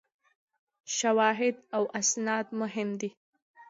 شواهد او اسناد مهم دي.